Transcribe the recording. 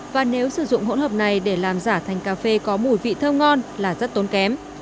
và nếu sử dụng hỗn hợp này để làm giả thành cà phê có mùi vị thơm ngon là rất tốn kém